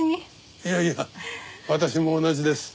いやいや私も同じです。